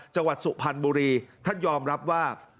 จังหวัดสุพรรณบุรีท่านยอมรับว่า